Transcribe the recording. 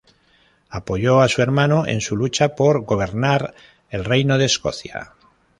Apoyó a su hermano en su lucha por gobernar el Reino de Escocia.